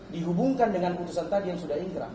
dihubungkan dengan putusan tadi yang sudah ingkrah